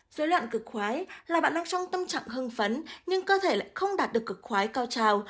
dối loạn cực khoái là bạn đang trong tâm trạng hưng phấn nhưng cơ thể lại không đạt được cực khoái cao trào